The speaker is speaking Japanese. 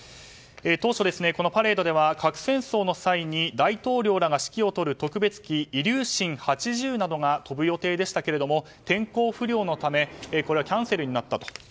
当初、このパレードでは核戦争の際に大統領らが指揮を執る特別機イリューシン８０などが飛ぶ予定でしたが天候不良のためキャンセルになったと。